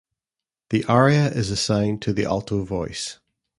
The aria is assigned to the alto voice.